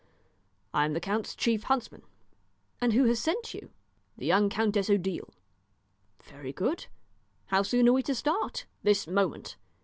"I am the count's chief huntsman." "And who has sent you?" "The young Countess Odile." "Very good. How soon are we to start?" "This moment.